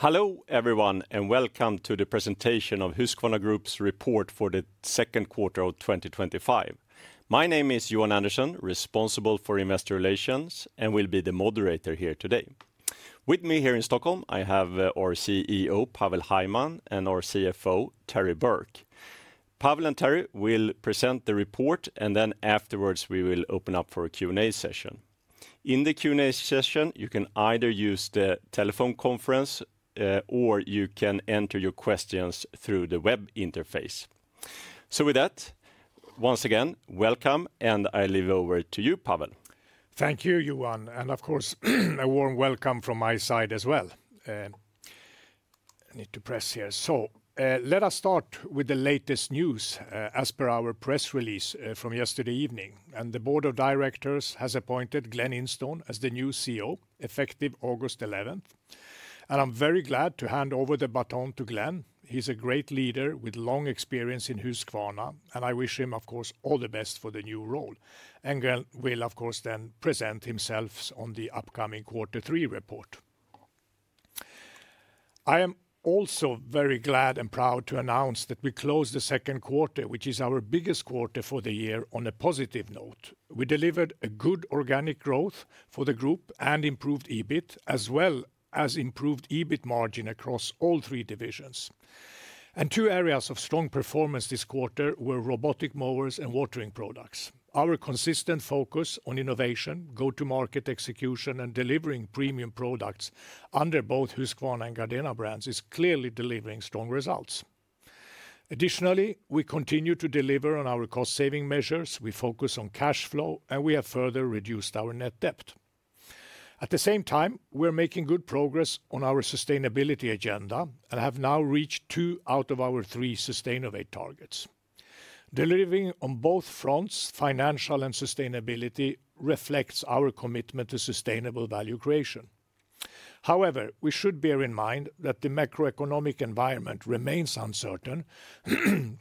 Hello, everyone, and welcome to the presentation of Husqvarna Group's report for the second quarter of twenty twenty five. My name is Johan Anderson, responsible for Investor Relations and will be the moderator here today. With me here in Stockholm, I have our CEO, Pawel Heimann and our CFO, Terri Burke. Pawel and Terri will present the report and then afterwards, we will open up for a Q and A session. In the Q and A session, you can either use the telephone conference or you can enter your questions through the web interface. So with that, once again, welcome and I leave over to you, Pawel. Thank you, Johan. And of course, a warm welcome from my side as well. I need to press here. So let us start with the latest news as per our press release from yesterday evening. And the Board of Directors has appointed Glen Instone as the new CEO, effective August 11. And I'm very glad to hand over the baton to Glen. He's a great leader with long experience in Husqvarna, and I wish him, of course, all the best for the new role. Engel will, of course, then present himself on the upcoming quarter three report. I am also very glad and proud to announce that we closed the second quarter, which is our biggest quarter for the year, on a positive note. We delivered a good organic growth for the group and improved EBIT as well as improved EBIT margin across all three divisions. And two areas of strong performance this quarter were robotic mowers and watering products. Our consistent focus on innovation, go to market execution and delivering premium products under both Husqvarna and Gardena brands is clearly delivering strong results. Additionally, we continue to deliver on our cost saving measures, we focus on cash flow and we have further reduced our net debt. At the same time, we are making good progress on our sustainability agenda and have now reached two out of our three Sustainovate targets. Delivering on both fronts, financial and sustainability, reflects our commitment to sustainable value creation. However, we should bear in mind that the macroeconomic environment remains uncertain,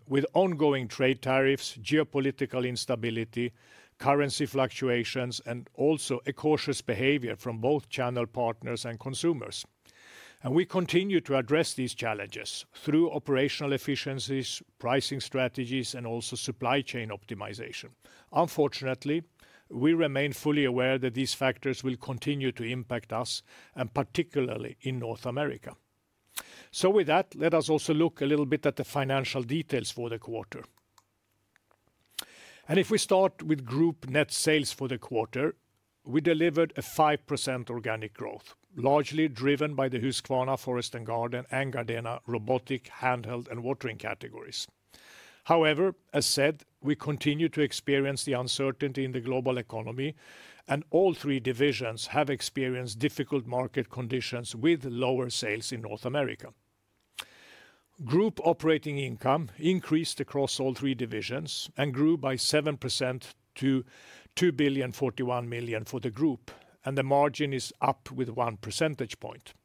with ongoing trade tariffs, geopolitical instability, currency fluctuations and also a cautious behavior from both channel partners and consumers. And we continue to address these challenges through operational efficiencies, pricing strategies and also supply chain optimization. Unfortunately, we remain fully aware that these factors will continue to impact us, and particularly in North America. So So with that, let us also look a little bit at the financial details for the quarter. And if we start with group net sales for the quarter, we delivered a 5% organic growth, largely driven by the Husqvarna Forest and Garden and Gardena robotic handheld and watering categories. However, as said, we continue to experience the uncertainty in the global economy, and all three divisions have experienced difficult market conditions with lower sales in North America. Group operating income increased across all three divisions and grew by 7% to €2,041,000,000 for the group, and the margin is up with one percentage point.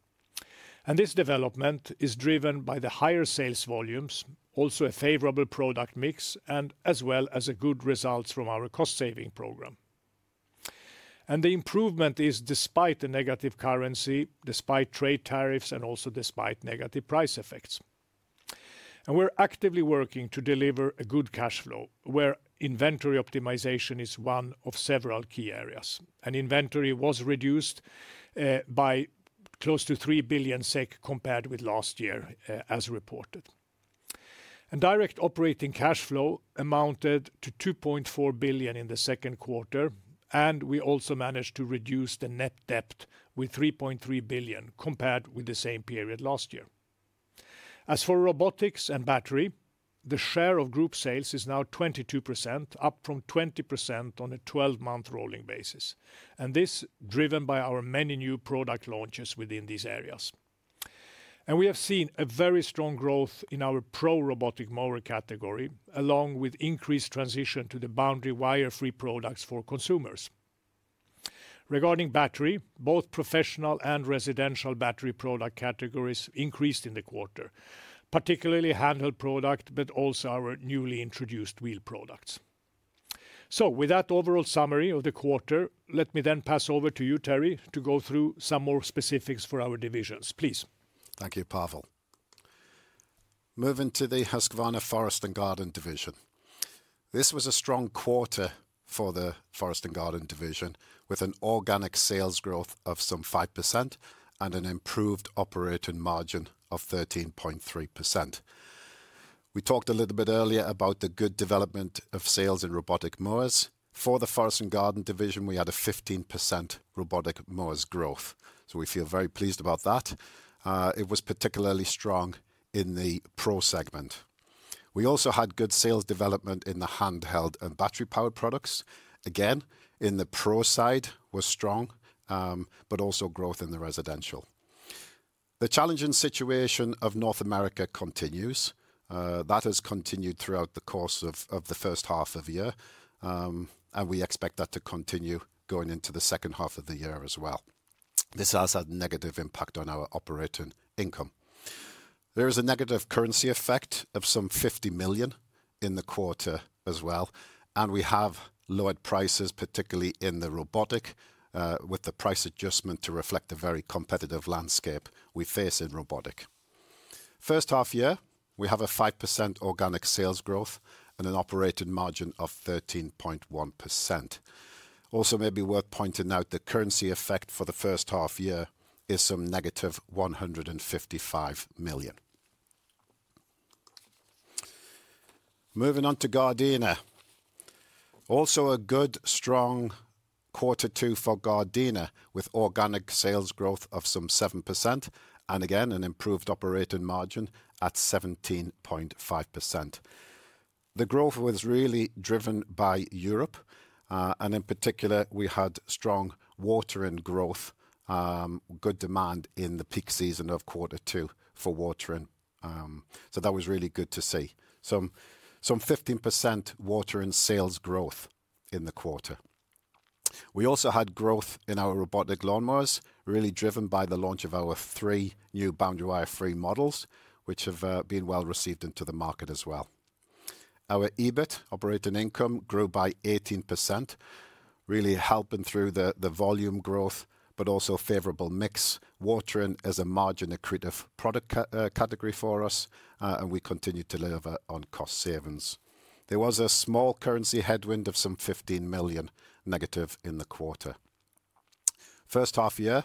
And this development is driven by the higher sales volumes, also a favorable product mix and as well as good results from our cost saving program. And the improvement is despite the negative currency, despite trade tariffs and also despite negative price effects. And we're actively working to deliver a good cash flow, where inventory optimization is one of several key areas. And inventory was reduced by close to 3,000,000,000 SEK compared with last year, as reported. And direct operating cash flow amounted to 2,400,000,000.0 in the second quarter, and we also managed to reduce the net debt with €3,300,000,000 compared with the same period last year. As for Robotics and Battery, the share of group sales is now 22%, up from 20% on a twelve month rolling basis, and this driven by our many new product launches within these areas. And we have seen a very strong growth in our pro robotic mower category, along with increased transition to the boundary wire free products for consumers. Regarding battery, both professional and residential battery product categories increased in the quarter, particularly handheld product but also our newly introduced wheel products. So with that overall summary of the quarter, let me then pass over to you, Teri, to go through some more specifics for our divisions. Please. Thank you, Pavel. Moving to the Husqvarna Forest and Garden division. This was a strong quarter for the Forest and Garden division with an organic sales growth of some 5% and an improved operating margin of 13.3%. We talked a little bit earlier about the good development of sales in robotic mowers. For the Forest and Garden division, we had a 15% robotic mowers growth. So we feel very pleased about that. It was particularly strong in the Pro segment. We also had good sales development in the handheld and battery powered products. Again, in the Pro side, it was strong, but also growth in the residential. The challenging situation of North America continues. That has continued throughout the course of the first half of the year, and we expect that to continue going into the second half of the year as well. This has a negative impact on our operating income. There is a negative currency effect of some €50,000,000 in the quarter as well, and we have lowered prices, particularly in the Robotic, with the price adjustment to reflect a very competitive landscape we face in Robotic. First half year, we have a 5% organic sales growth and an operating margin of 13.1%. Also maybe worth pointing out the currency effect for the first half year is some negative 155,000,000 Moving on to Gardena. Also a good strong quarter two for Gardena with organic sales growth of some 7% and again, an improved operating margin at 17.5%. The growth was really driven by Europe. And in particular, we had strong water in growth, good demand in the peak season of quarter two for watering. So that was really good to see. So some 15% watering sales growth in the quarter. We also had growth in our robotic lawnmowers, really driven by the launch of our three new boundary wire free models, which have been well received into the market as well. Our EBIT, operating income, grew by 18%, really helping through the volume growth but also favorable mix. Watering is a margin accretive product category for us, and we continue to deliver on cost savings. There was a small currency headwind of some 15,000,000 negative in the quarter. First half year,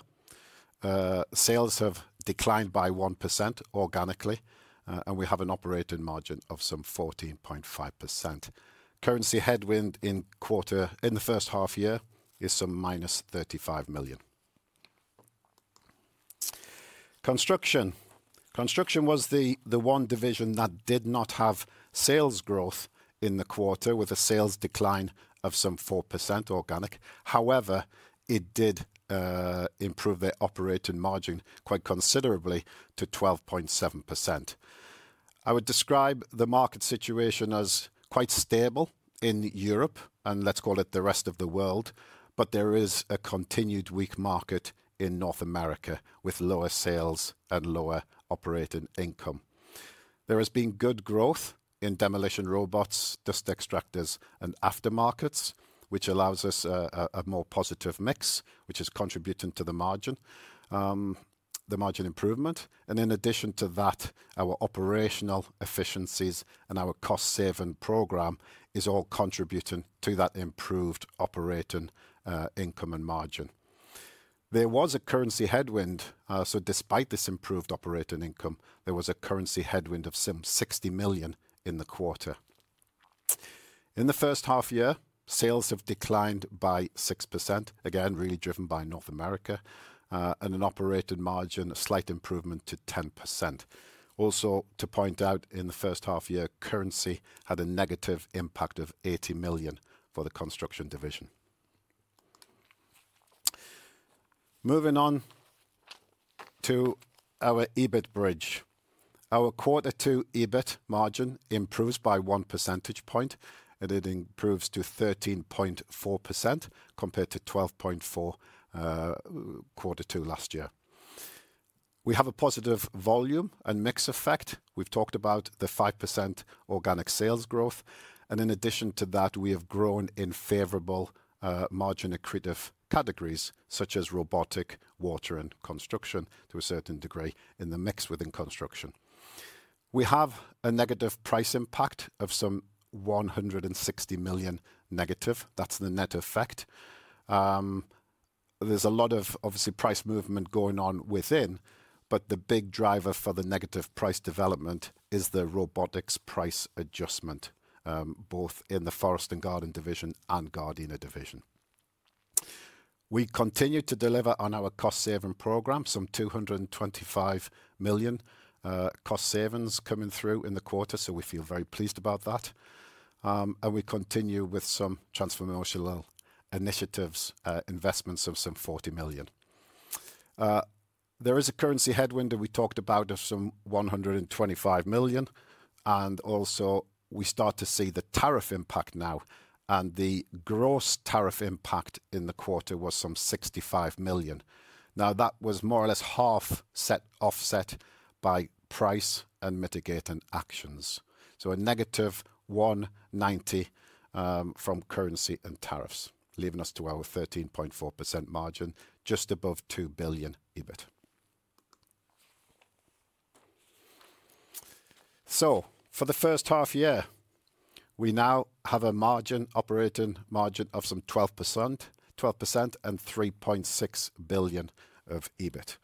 sales have declined by 1% organically, and we have an operating margin of some 14.5%. Currency headwind in quarter in the first half year is some minus €35,000,000 Construction. Construction was the one division that did not have sales growth in the quarter with a sales decline of some 4% organic. However, it did improve the operating margin quite considerably to 12.7%. I would describe the market situation as quite stable in Europe and, let's call it, the rest of the world, but there is a continued weak market in North America with lower sales and lower operating income. There has been good growth in demolition robots, dust extractors and aftermarkets, which allows us a more positive mix, which is contributing to the margin improvement. And in addition to that, our operational efficiencies and our cost saving program is all contributing to that improved operating income and margin. There was a currency headwind. So despite this improved operating income, there was a currency headwind of some €60,000,000 in the quarter. In the first half year, sales have declined by 6%, again, really driven by North America and an operated margin, a slight improvement to 10%. Also to point out, in the first half year, currency had a negative impact of €80,000,000 for the Construction division. Moving on to our EBIT bridge. Our quarter two EBIT margin improves by one percentage point, and it improves to 13.4% compared to 12.4% quarter two last year. We have a positive volume and mix effect. We've talked about the 5% organic sales growth. And in addition to that, we have grown in favorable margin accretive categories such as robotic, water and construction, to a certain degree, in the mix within construction. We have a negative price impact of some €160,000,000 negative. That's the net effect. There's a lot of, obviously, price movement going on within, but the big driver for the negative price development is the robotics price adjustment, both in the Forest and Garden division and Gardena division. We continue to deliver on our cost saving program, some €225,000,000 cost savings coming through in the quarter, so we feel very pleased about that. And we continue with some transformational initiatives, investments of some 40,000,000 There is a currency headwind that we talked about of some €125,000,000 And also, we start to see the tariff impact now. And the gross tariff impact in the quarter was some €65,000,000 Now that was more or less half offset by price and mitigating actions. So a negative 190,000,000 from currency and tariffs, leaving us to our 13.4% margin, just above €2,000,000,000 EBIT. So for the first half year, we now have a margin, operating margin of some twelve percent and three point six billion of EBIT.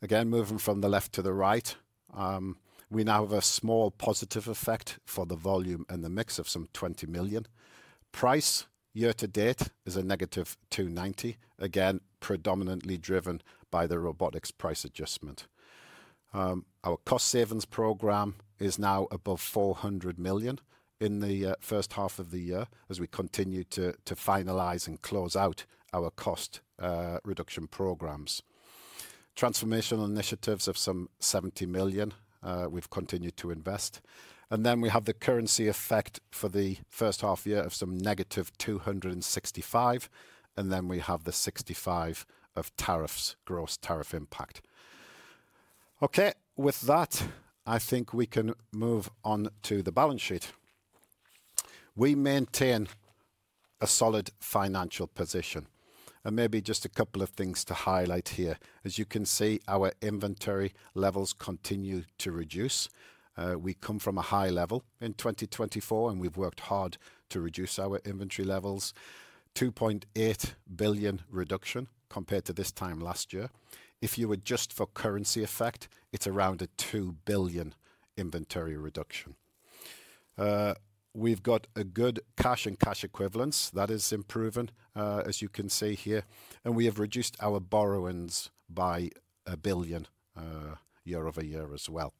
Again, moving from the left to the right, we now have a small positive effect for the volume and the mix of some €20,000,000 Price year to date is a negative $290,000,000 again, predominantly driven by the Robotics price adjustment. Our cost savings program is now above €400,000,000 in the first half of the year as we continue to finalize and close out our cost reduction programs. Transformational initiatives of some €70,000,000 we've continued to invest. And then we have the currency effect for the first half year of some negative $2.65 and then we have the €65,000,000 of tariffs gross tariff impact. Okay. With that, I think we can move on to the balance sheet. We maintain a solid financial position. And maybe just a couple of things to highlight here. As you can see, our inventory levels continue to reduce. We come from a high level in 2024, and we've worked hard to reduce our inventory levels, 2,800,000,000.0 reduction compared to this time last year. If you adjust for currency effect, it's around a €2,000,000,000 inventory reduction. We've got a good cash and cash equivalents. That has improved, as you can see here. And we have reduced our borrowings by €1,000,000,000 year over year as well.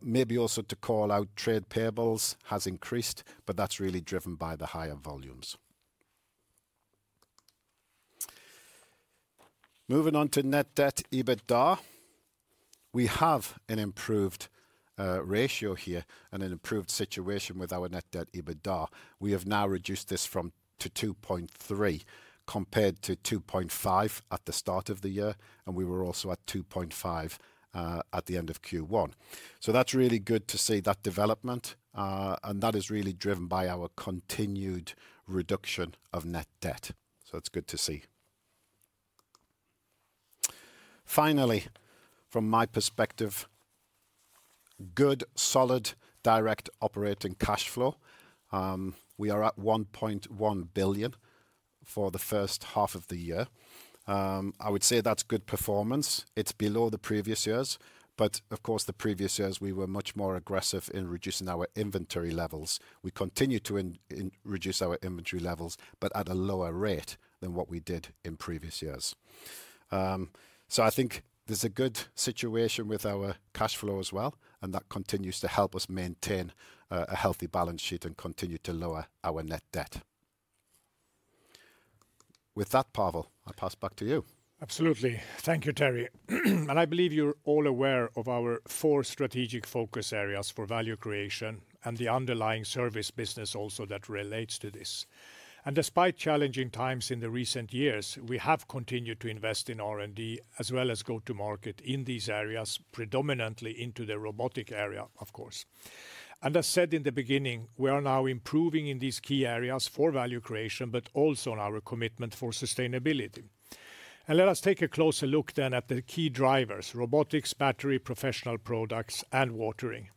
Maybe also to call out trade payables has increased, but that's really driven by the higher volumes. Moving on to net debtEBITDA. We have an improved ratio here and an improved situation with our net debtEBITDA. We have now reduced this from to 2.3 compared to 2.5 at the start of the year, and we were also at 2.5 at the end of Q1. So that's really good to see that development, and that is really driven by our continued reduction of net debt. So it's good to see. Finally, from my perspective, good solid direct operating cash flow. We are at 1,100,000,000.0 for the first half of the year. I would say that's good performance. It's below the previous years. But of course, the previous years, we were much more aggressive in reducing our inventory levels. We continue to reduce our inventory levels but at a lower rate than what we did in previous years. So I think there's a good situation with our cash flow as well, and that continues to help us maintain a healthy balance sheet and continue to lower our net debt. With that, Pavel, I'll pass back to you. Absolutely. Thank you, Terry. And I believe you're all aware of our four strategic focus areas for value creation and the underlying Service business also that relates to this. And despite challenging times in the recent years, we have continued to invest in R and D as well as go to market in these areas, predominantly into the robotic area, of course. And as said in the beginning, we are now improving in these key areas for value creation, but also on our commitment for sustainability. And let us take a closer look then at the key drivers: robotics, battery, professional products and watering.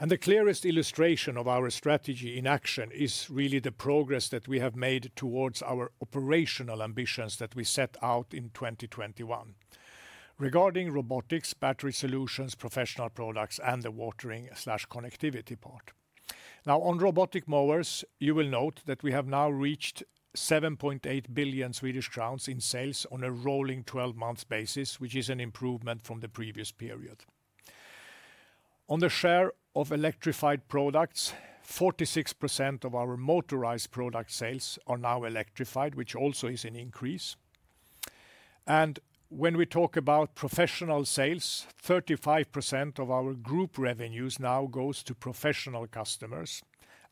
And the clearest illustration of our strategy in action is really the progress that we have made towards our operational ambitions that we set out in 2021. Regarding robotics, battery solutions, professional products and the wateringconnectivity part. Now on robotic mowers, you will note that we have now reached billion in sales on a rolling twelve month basis, which is an improvement from the previous period. On the share of electrified products, 46% of our motorized product sales are now electrified, which also is an increase. And when we talk about professional sales, 35 of our group revenues now goes to Professional customers.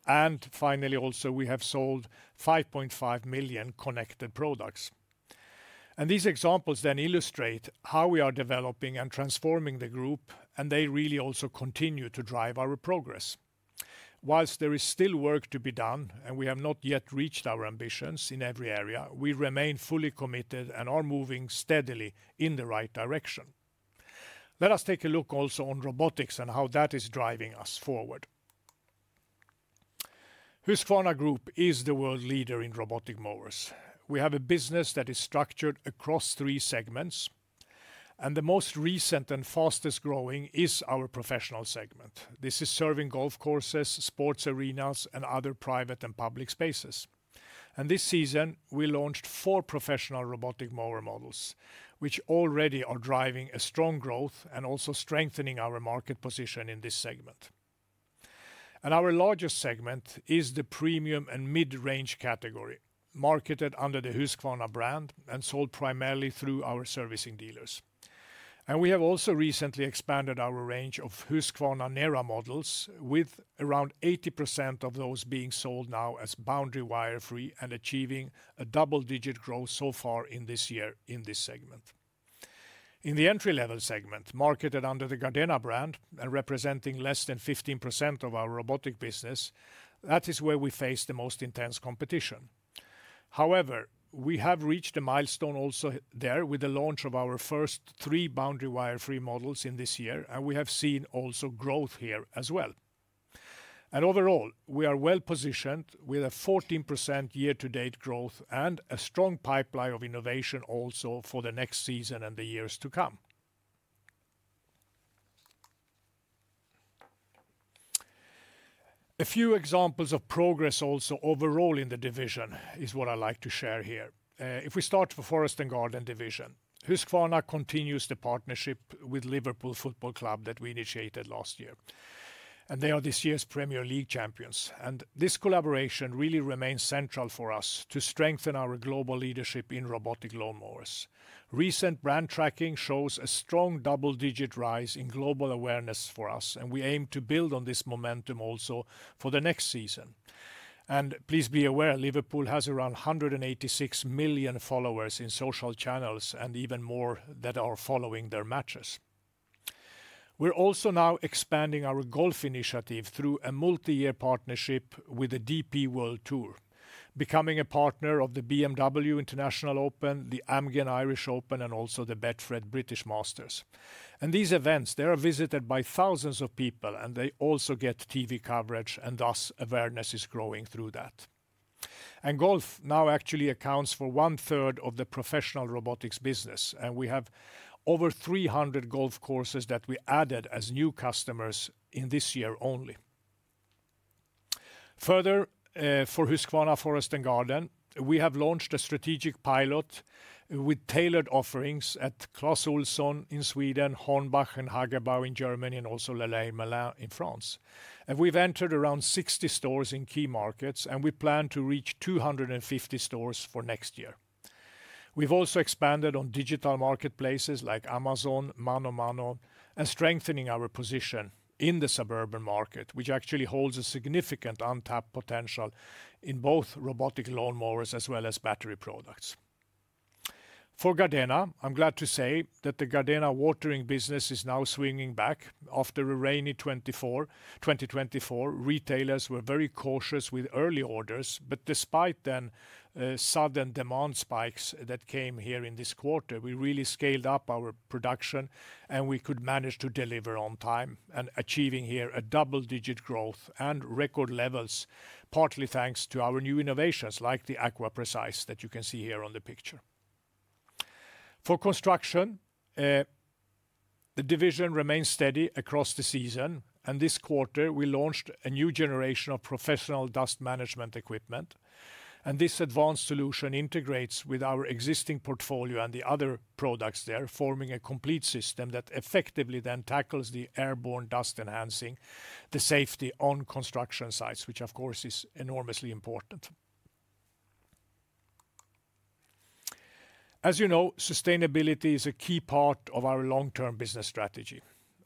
And finally also, we have sold 5,500,000 connected products. And these examples then illustrate how we are developing and transforming the group and they really also continue to drive our progress. Whilst there is still work to be done and we have not yet reached our ambitions in every area, we remain fully committed and are moving steadily in the right direction. Let us take a look also on robotics and how that is driving us forward. Husqvarna Group is the world leader in robotic mowers. We have a business that is structured across three segments, And the most recent and fastest growing is our Professional segment. This is serving golf courses, sports arenas and other private and public spaces. And this season, we launched four Professional robotic mower models, which already are driving a strong growth and also strengthening our market position in this segment. And our largest segment is the premium and mid range category, marketed under the Husq brand and sold primarily through our servicing dealers. And we have also recently expanded our range of Husqvarna Nera models, with around 80% of those being sold now as boundary wire free and achieving a double digit growth so far in this year in this segment. In the entry level segment, marketed under the Gardena brand and representing less than 15% of our robotic business, that is where we face the most intense competition. However, we have reached a milestone also there with the launch of our first three boundary wire free models in this year, and we have seen also growth here as well. And overall, we are well positioned with a 14% year to date growth and a strong pipeline of innovation also for the next season and the years to come. A few examples of progress also overall in the division is what I'd like to share here. If we start for Forest and Garden division, Husqvarna continues the partnership with Liverpool Football Club that we initiated last year, And they are this year's Premier League champions. And this collaboration really remains central for us to strengthen our global leadership in robotic lawn mowers. Recent brand tracking shows a strong double digit rise in global awareness for us, and we aim to build on this momentum also for the next season. And please be aware, Liverpool has around 186,000,000 followers in social channels and even more that are following their matches. We're also now expanding our Golf initiative through a multiyear partnership with the DP World Tour, becoming a partner of the BMW International Open, the Amgen Irish Open and also the Bedford British Masters. And these events, they are visited by thousands of people and they also get TV coverage and thus awareness is growing through that. And Golf now actually accounts for onethree of the Professional Robotics business, and we have over 300 golf courses that we added as new customers in this year only. Further, for Husqvarna Forest and Garden, we have launched a strategic pilot with tailored offerings at Kras Ulfson in Sweden, Hornbach and Hagerbau in Germany and also Le Lay in Milan in France. And we've entered around 60 stores in key markets, and we plan to reach two fifty stores for next year. We've also expanded on digital marketplaces like Amazon, Mano Mano, and strengthening our position in the suburban market, which actually holds a significant untapped potential in both robotic lawnmowers as well as battery products. For Gardena, I'm glad to say that the Gardena watering business is now swinging back. After a rainy 2024, retailers were very cautious with early orders. But despite then sudden demand spikes that came here in this quarter, we really scaled up our production and we could manage to deliver on time and achieving here a double digit growth and record levels, partly thanks to our new innovations like the AquaPrecise that you can see here on the picture. For Construction, the division remained steady across the season, and this quarter, we launched a new generation of professional dust management equipment. And this advanced solution integrates with our existing portfolio and the other products there, forming a complete system that effectively then tackles the airborne dust enhancing, the safety on construction sites, which of course is enormously important. As you know, sustainability is a key part of our long term business strategy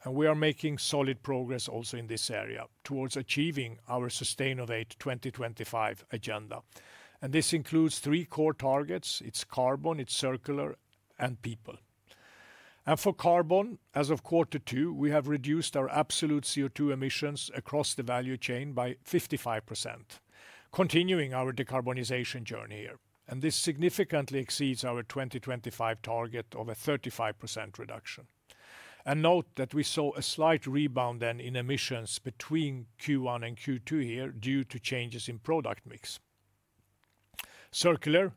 And we are making solid progress also in this area, towards achieving our Sustainovate 2025 agenda. And this includes three core targets: it's carbon, it's circular and people. And for carbon, as of quarter two, we have reduced our absolute CO2 emissions across the value chain by 55%, continuing our decarbonization journey here. And this significantly exceeds our 2025 target of a 35% reduction. And note that we saw a slight rebound then in emissions between Q1 and Q2 here due to changes in product mix. Circular.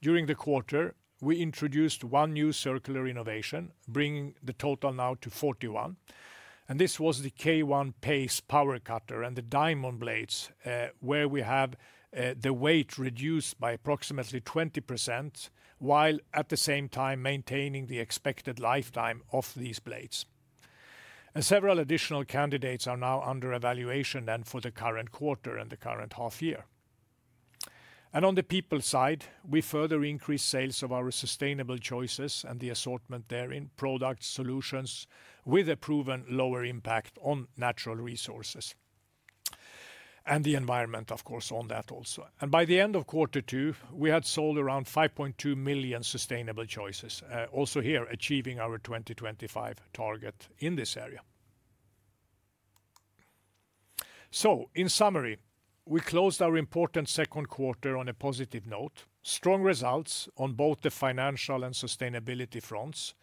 During the quarter, we introduced one new circular innovation, bringing the total now to 41. And this was the K1 Pace power cutter and the diamond blades, where we have the weight reduced by approximately 20%, while at the same time maintaining the expected lifetime of these blades. And several additional candidates are now under evaluation then for the current quarter and the current half year. And on the people side, we further increased sales of our sustainable choices and the assortment therein, products, solutions, with a proven lower impact on natural resources and the environment of course on that also. And by the end of quarter two, we had sold around 5,200,000 sustainable choices, also here achieving our 2025 target in this area. So, in summary, we closed our important second quarter on a positive note: strong results on both the financial and sustainability fronts,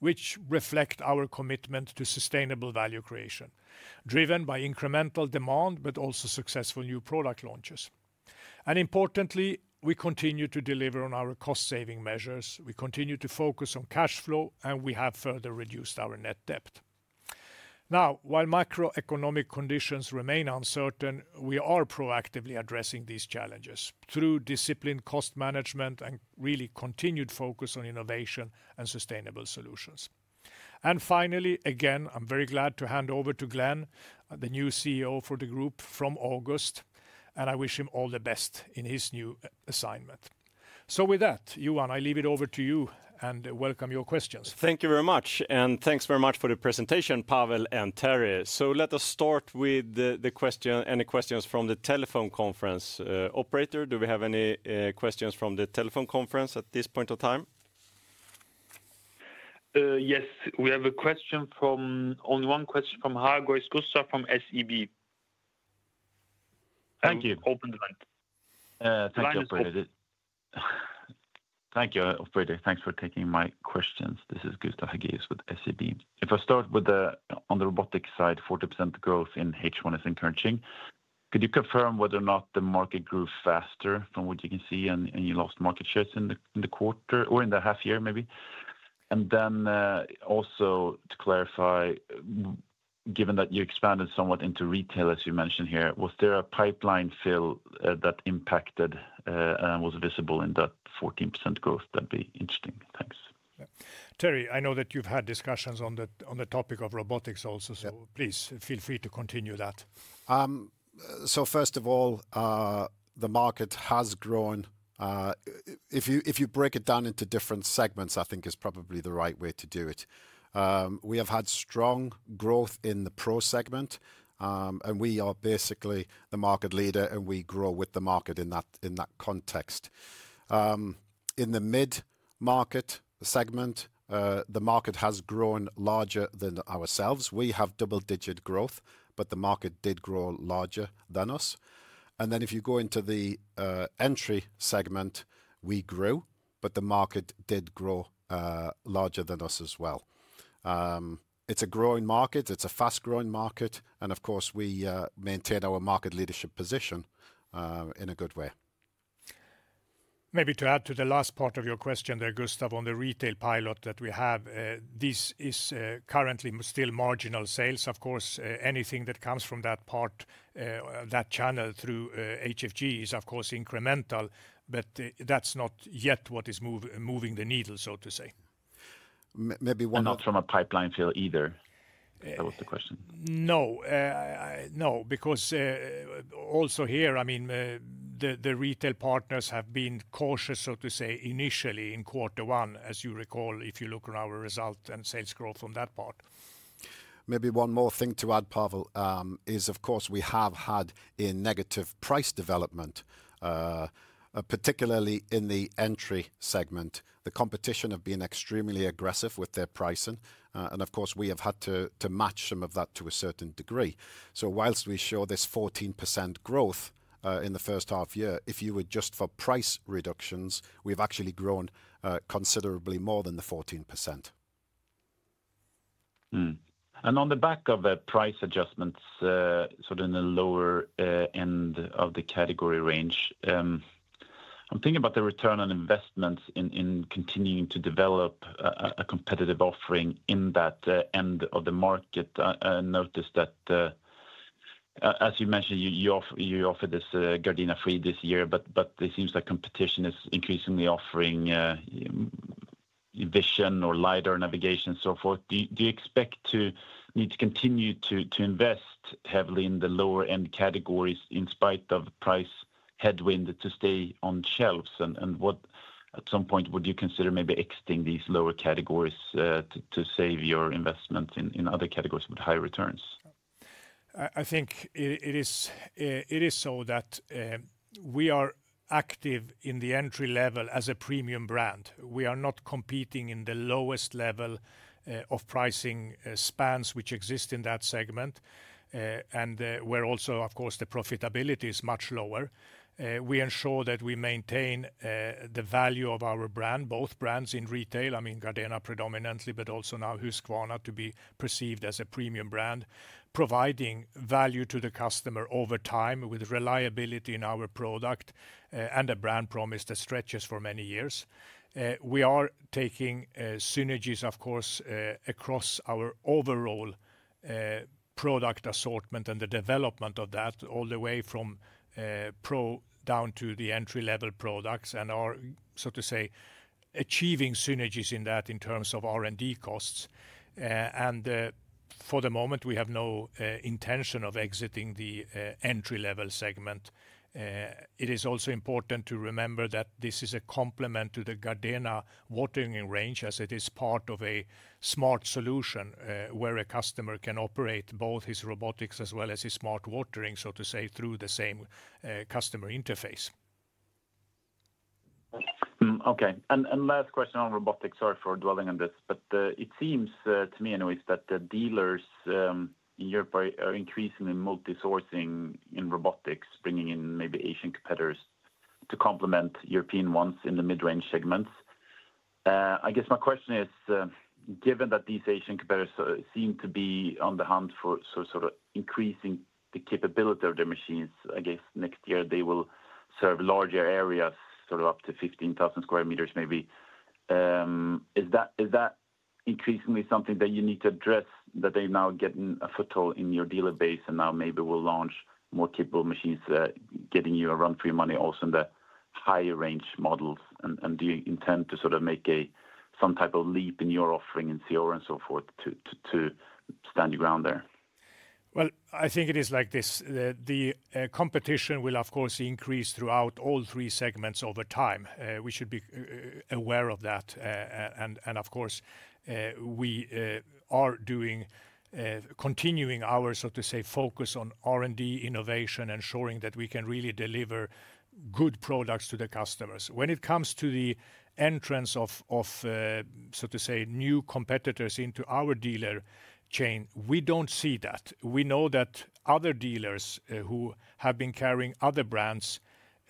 which reflect our commitment to sustainable value creation, driven by incremental demand but also successful new product launches. And importantly, we continue to deliver on our cost saving measures, we continue to focus on cash flow and we have further reduced our net debt. Now, while macroeconomic conditions remain uncertain, we are proactively addressing these challenges through disciplined cost management and really continued focus on innovation and sustainable solutions. And finally, again, I'm very glad to hand over to Glen, the new CEO for the group from August, and I wish him all the best in his new assignment. So with that, Johan, I leave it over to you and welcome your questions. Thank you very much, and thanks very much for the presentation, Pavel and Thierry. So let us start with any questions from the telephone conference. Operator, do we have any questions from the telephone conference at this point of time? Yes. We have a question from on one question from Hargoy Skoussar from SEB. You, operator. Thanks for taking my questions. This is Gustaf Hagibis with SEB. If I start with the on the Robotics side, 40% growth in H1 is encouraging. Could you confirm whether or not the market grew faster from what you can see and you lost market shares in the quarter or in the half year maybe? And then also to clarify, given that you expanded somewhat into retail, as you mentioned here, was there a pipeline fill that impacted and was visible in that 14% growth? That would be interesting. Terry, I know that you've had discussions on the topic of robotics also, so please feel free to continue that. So first of all, the market has grown. If you break it down into different segments, I think it's probably the right way to do it. We have had strong growth in the pro segment, and we are basically the market leader and we grow with the market in that context. In the mid market segment, the market has grown larger than ourselves. We have double digit growth, but the market did grow larger than us. And then if you go into the entry segment, we grew, but the market did grow larger than us as well. It's a growing market. It's a fast growing market. And of course, we maintained our market leadership position in a good way. Maybe to add to the last part of your question there, Gustaf, on the retail pilot that we have, this is currently still marginal sales. Of course, anything that comes from that part that channel through HFG is, of course, incremental, but that's not yet what is moving the needle, so to say. Maybe one And not from a pipeline feel either, No. That was the No, because also here, I mean, the retail partners have been cautious, so to say, initially in quarter one, as you recall, if you look at our result and sales growth on that part. Maybe one more thing to add, Pavel, is, of course, we have had a negative price development, particularly in the entry segment. The competition have been extremely aggressive with their pricing. And of course, we have had to match some of that to a certain degree. So whilst we show this 14% growth in the first half year, if you adjust for price reductions, we've actually grown considerably more than the 14%. And on the back of the price adjustments, sort of in the lower end of the category range, I'm thinking about the return on investments in continuing to develop a competitive offering in that end of the market. Noticed that as you mentioned, you offered this Gardena free this year, but it seems competition is increasingly offering vision or LiDAR navigation and so forth. Do you expect to need to continue to invest heavily in the lower end categories in spite of price headwind to stay on shelves? And what at some point, would you consider maybe exiting these lower categories to save your investments in other categories with high returns? I think it is so that we are active in the entry level as a premium brand. We are not competing in the lowest level of pricing spans, which exist in that segment and where also, of course, the profitability is much lower. We ensure that we maintain the value of our brand, both brands in retail, I mean Gardena predominantly, but also now Husqvarna to be perceived as a premium brand, providing value to the customer over time with reliability in our product and the brand promise that stretches for many years. We are taking synergies, of course, across our overall product assortment and the development of that all the way from Pro down to the entry level products and are, so to say, achieving synergies in that in terms of R and D costs. And for the moment, we have no intention of exiting the entry level segment. It is also important to remember that this is a complement to the Gardena watering range, as it is part of a smart solution where a customer can operate both his robotics as well as his smart watering, so to say, through the same customer interface. Okay. And last question on robotics. Sorry for dwelling on this. But it seems to me anyways that the dealers in Europe are increasingly multisourcing in robotics, bringing in maybe Asian competitors to complement European ones in the mid range segments. I guess my question is, given that these Asian competitors seem to be on the hunt for sort of increasing the capability of their machines, I guess, year, they will serve larger areas sort of up to 15,000 square meters maybe. Is that increasingly something that you need to address that they're now getting a foothold in your dealer base and now maybe will launch more capable machines getting you a run for your money also in the higher range models? And do you intend to sort of make some type of leap in your offering in CR and so forth to stand your ground there? Well, I think it is like this. The competition will, of course, increase throughout all three segments over time. We should be aware of that. And of course, we are doing continuing our, so to say, focus on R and D innovation, ensuring that we can really deliver good products to the customers. When it comes to the entrance of, so to say, new competitors into our dealer chain, we don't see that. We know that other dealers who have been carrying other brands,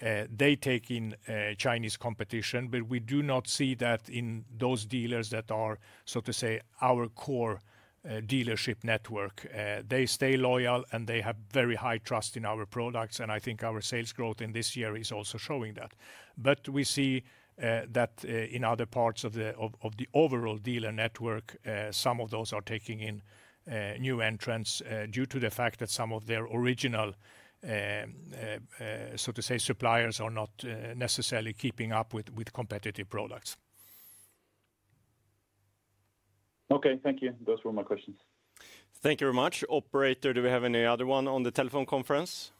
they take in Chinese competition, but we do not see that in those dealers that are, so to say, our core dealership network. They stay loyal and they have very high trust in our products. And I think our sales growth in this year is also showing that. But we see that in other parts of the overall dealer network, some of those are taking in new entrants due to the fact that some of their original, so to say, suppliers are not necessarily keeping up with competitive products. Okay, thank you. Those were my questions. Thank you very much. Operator, do we have any other one on the telephone conference?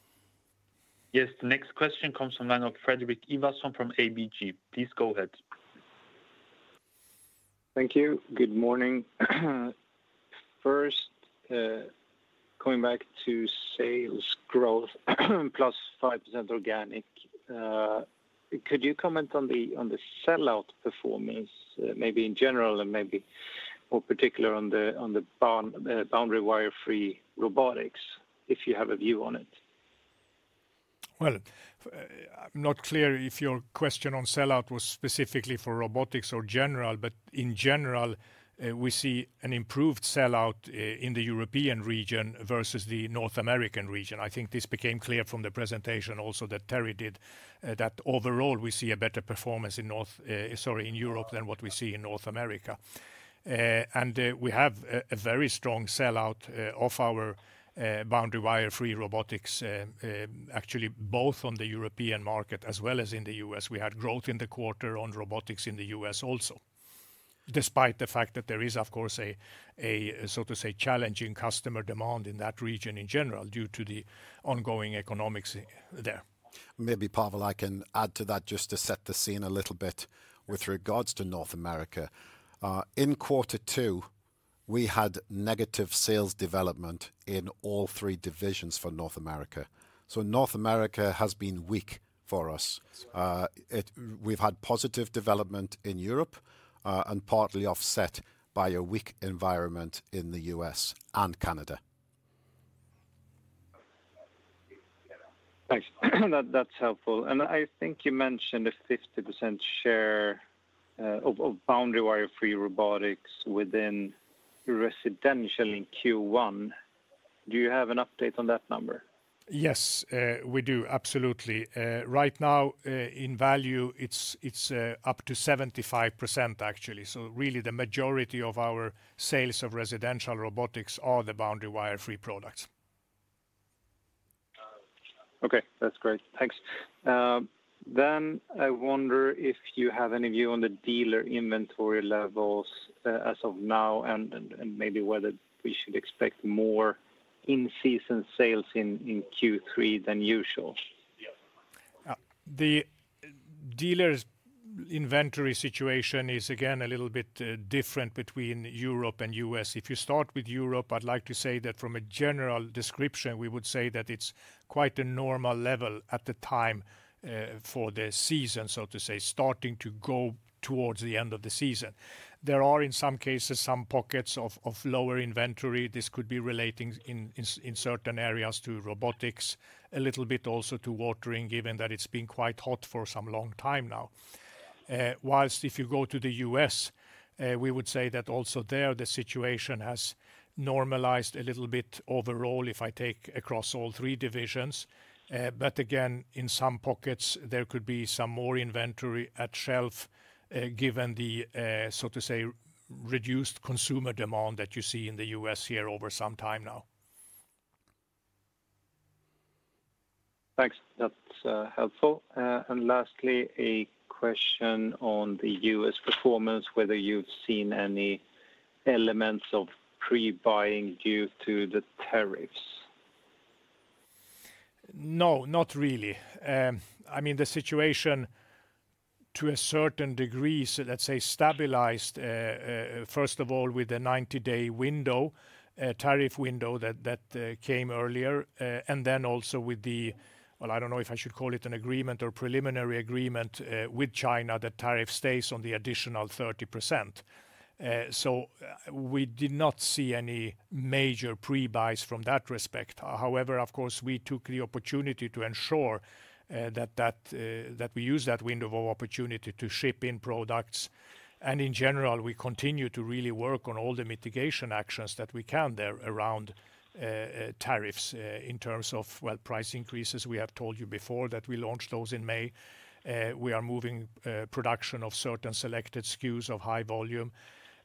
Yes. The next question comes from the line of Frederik Iwasson from ABG. Please go ahead. Thank you. Good morning. First, going back to sales growth, plus 5% organic. Could you comment on the sellout performance, maybe in general and maybe more particular on the Boundary Wirefree Robotics, if you have a view on it? Well, I'm not clear if your question on sellout was specifically for Robotics or General, but in general, we see an improved sellout in the European region versus the North American region. I think this became clear from the presentation also that Terry did that overall, we see a better performance in Europe than what we see in North America. And we have a very strong sellout of our boundary wire free robotics, actually both on the European market as well as in The U. S. We had growth in the quarter on robotics in The U. S. Also, despite the fact that there is, of course, a, so to say, challenging customer demand in that region in general due to the ongoing economics there. Maybe, Pavel, I can add to that just to set the scene a little bit with regards to North America. In quarter two, we had negative sales development in all three divisions for North America. So North America has been weak for us. We've had positive development in Europe and partly offset by a weak environment in The U. S. And Canada. Thanks. That's helpful. And I think you mentioned a 50% share of boundary wire free robotics within residential in Q1. Do you have an update on that number? Yes, we do, absolutely. Right now, in value, it's up to 75% actually. So really, the majority of our sales of residential robotics are the boundary wire free products. Okay. That's great. Thanks. Then I wonder if you have any view on the dealer inventory levels as of now and maybe whether we should expect more in season sales in Q3 than usual? The dealer inventory situation is again a little bit different between Europe and U. S. If you start with Europe, I'd like to say that from a general description, we would say that it's quite a normal level at the time for the season, so to say, starting to go towards the end of the season. There are, in some cases, some pockets of lower inventory. This could be relating in certain areas to robotics, a little bit also to watering, given that it's been quite hot for some long time now. Whilst if you go to The U. S, we would say that also there the situation has normalized a little bit overall, if I take across all three divisions. But again, in some pockets, there could be some more inventory at shelf, given the, so to say, reduced consumer demand that you see in The U. S. Here over some time now. Thanks. That's helpful. And lastly, a question on The U. S. Performance, whether you've seen any elements of pre buying due to the tariffs? No, not really. I mean, the situation to a certain degree, let's say, stabilized, first of all, the ninety day window, tariff window that came earlier and then also with the well, I don't know if I should should call it an agreement or preliminary agreement with China that tariff stays on the additional 30%. So we did not see any major pre buys from that respect. However, of course, we took the opportunity to ensure that we use that window of opportunity to ship in products. And in general, we continue to really work on all the mitigation actions that we can there around tariffs in terms of, well, price increases. We have told you before that we launched those in May. We are moving production of certain selected SKUs of high volume.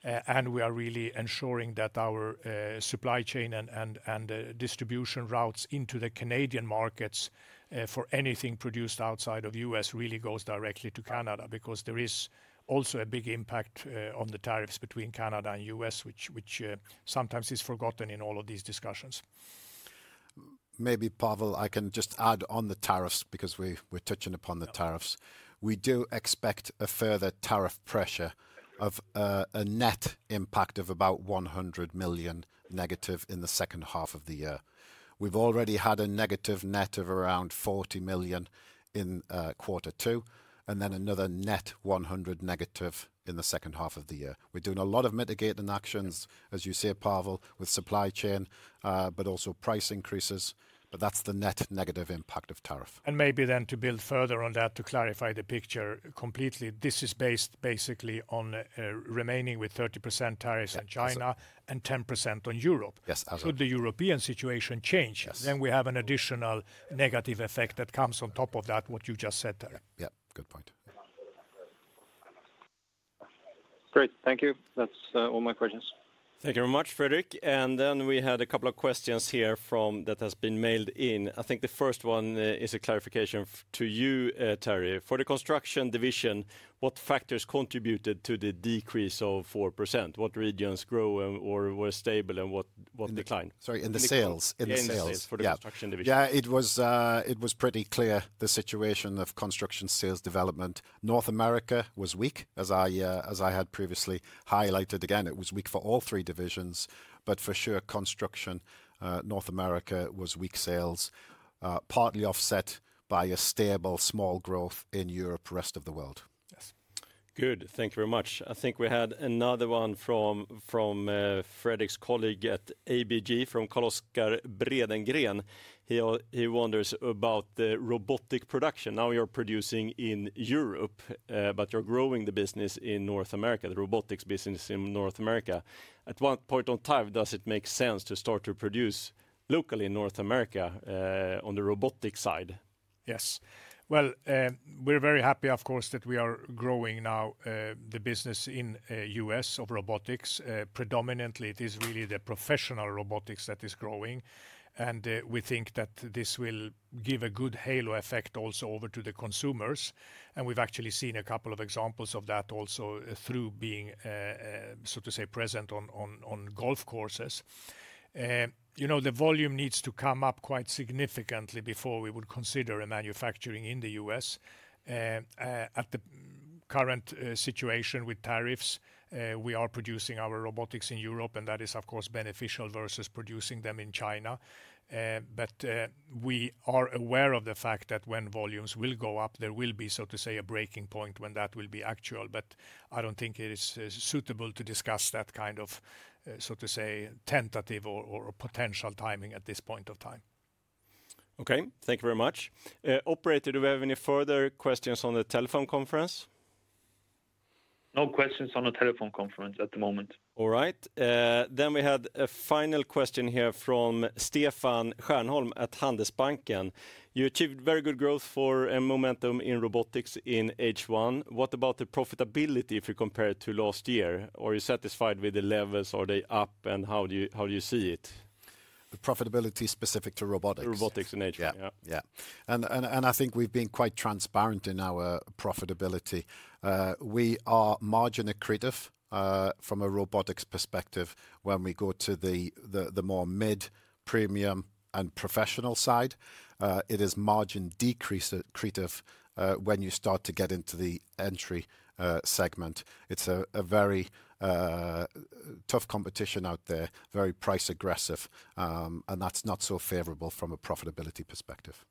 And we are really ensuring that our supply chain and distribution routes into the Canadian markets for anything produced outside of U. S. Really goes directly to Canada because there is also a big impact on the tariffs between Canada and U. S, which sometimes is forgotten in all of these discussions. Maybe, Pavel, I can just add on the tariffs because we're touching upon the We do expect a further tariff pressure of a net impact of about €100,000,000 negative in the second half of the year. We've already had a negative net of around €40,000,000 in quarter two and then another net 100,000,000 negative in the second half of the year. We're doing a lot of mitigating actions, as you say, Pavel, with supply chain but also price increases, but that's the net negative impact of tariff. And maybe then to build further on that, to clarify the picture completely, this is based basically on remaining with 30% tariffs in and 10% on Europe. Could the European situation change, then we have an additional negative effect that comes on top of that, what you just said there. Yes, good point. Great. Thank you. That's all my questions. Thank you very much, Fredrik. And then we had a couple of questions here from that has been mailed in. I think the first one is a clarification to you, Terry. For the Construction division, what factors contributed to the decrease of 4%? What regions grew or were stable and what what decline? In the In sales for the Yes. Construction It was pretty clear, the situation of Construction sales development. North America was weak, as I had previously highlighted. Again, it was weak for all three divisions. But for sure, Construction North America was weak sales, partly offset by a stable small growth in Europe, Rest of the World. Good. Thank you very much. I think we had another one from Fredrik's colleague at ABG from Koloskar Breedengrin. He wonders about the robotic production. Now you're producing in Europe, but you're growing the business in North America, the robotics business in North America. At what point in time does it make sense to start to produce locally in North America on the robotics side? Yes. Well, we're very happy, of course, that we are growing now the business in U. S. Of robotics. Predominantly, it is really the professional robotics that is growing. And we think that this will give a good halo effect also over to the consumers. And we've actually seen a couple of examples of that also through being, so to say, present on golf courses. The volume needs to come up quite significantly before we would consider manufacturing in The U. S. At the current situation with tariffs, we are producing our robotics in Europe, and that is, of course, beneficial versus producing them in China. But we are aware of the fact that when volumes will go up, there will be, so to say, a breaking point when that will be actual. But I don't think it is suitable to discuss that kind of, so to say, tentative or potential timing at this point of time. Okay. Thank you very much. Operator, do we have any further questions on the telephone conference? No questions on the telephone conference at the moment. All right. Then we had a final question here from Stefan Hernholm at Handelsbanken. You achieved very good growth for and momentum in Robotics in H1. What about the profitability if you compare it to last year? Are you satisfied with the levels? Are they up? And how see do it? The profitability specific to Robotics. Robotics in H1. Yes. And I think we've been quite transparent in our profitability. We are margin accretive from a robotics perspective when we go to the more mid premium and professional side. It is margin decrease accretive when you start to get into the entry segment. It's a very tough competition out there, very price aggressive, and that's not so favorable from a profitability perspective.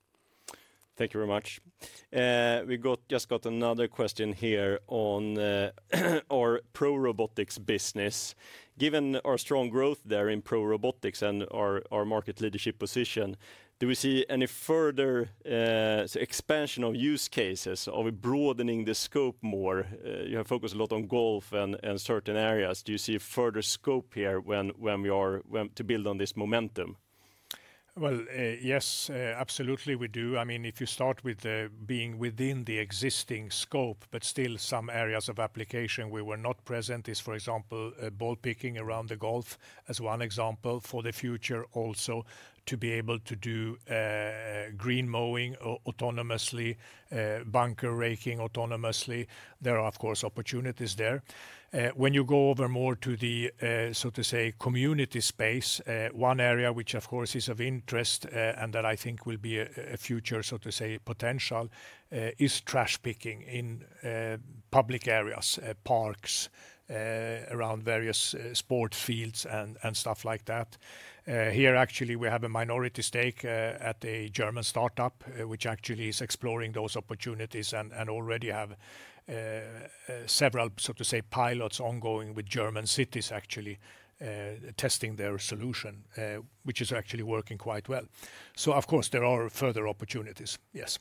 Thank you very much. We got just got another question here on our pro robotics business. Given our strong growth there in pro robotics and our market leadership position, Do we see any further expansion of use cases? Are we broadening the scope more? You have focused a lot on golf and certain areas. Do you see further scope here when we are to build on this momentum? Well, yes, absolutely, we do. I mean, if you start with being within the existing scope, but still some areas of application where we're not present is, for example, ball picking around The Gulf as one example for the future also to be able to do green mowing autonomously, bunker raking autonomously. There are, of course, opportunities there. When you go over more to the, so to say, community space, one area which, of course, is of interest and that I think will be future, so to say, potential is trash picking in public areas, parks, around various sports fields and stuff like that. Here, actually, we have a minority stake at a German start up, which actually is exploring those opportunities and already have several, so to say, pilots ongoing with German cities actually testing their solution, which is actually working quite well. So of course, there are further opportunities, yes.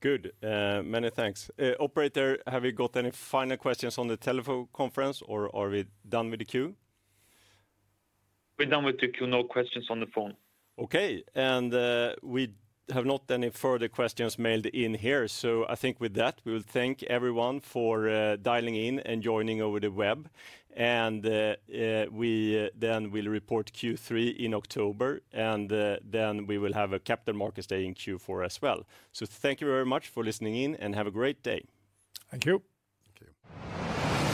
Good. Many thanks. Operator, have we got any final questions on the telephone conference? Or are we done with the queue? We're done with the queue, no questions on the phone. Okay. And we have not any further questions mailed in here. So I think with that, we will thank everyone for dialing in and joining over the web And we then will report Q3 in October, and then we will have a Capital Markets Day in Q4 as well. So thank you very much for listening in, have a great day. Thank you. Thank you.